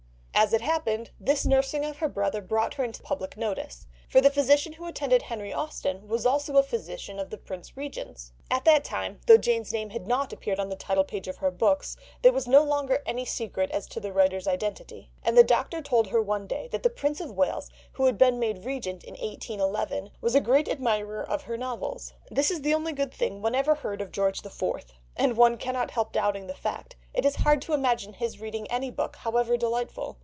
As it happened, this nursing of her brother brought her into public notice, for the physician who attended Henry Austen was also a physician of the Prince Regent's. At that time, though Jane's name had not appeared on the title page of her books, there was no longer any secret as to the writer's identity, and the doctor told her one day that the Prince of Wales, who had been made Regent in 1811, was a great admirer of her novels; this is the only good thing one ever heard of George IV., and one cannot help doubting the fact; it is hard to imagine his reading any book, however delightful.